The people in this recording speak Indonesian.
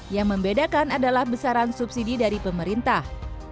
yang membedakan adalah besaran subsidi dari pemerintah